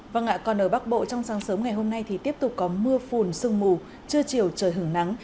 vâng ạ còn ở bắc bộ trong sáng sớm ngày hôm nay thì tiếp tục có mưa phùn sương mù trưa chiều trời hưởng nắng